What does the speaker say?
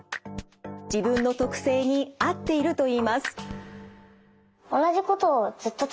自分の特性に合っているといいます。